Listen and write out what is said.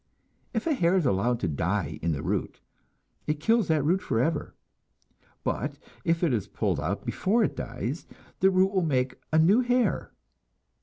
If a hair is allowed to die in the root, it kills that root forever, but if it is pulled out before it dies, the root will make a new hair.